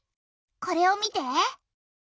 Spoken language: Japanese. これを見て。